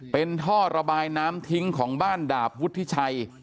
เป็นท่อระบายน้ำทิ้งของบ้านดาบวุฒิชัย